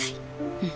うん。